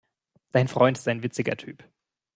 Dein Freund ist ein witziger Typ.